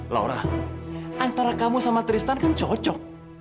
laura antara kamu sama tristan kan cocok